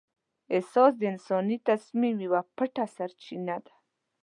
احساس د انساني تصمیم یوه پټه سرچینه ده.